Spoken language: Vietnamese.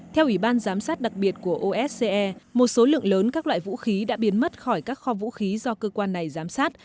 theo ủy ban giám sát đặc biệt của osce một số lượng lớn các loại vũ khí đã biến mất khỏi các kho vũ khí do cơ quan này giám sát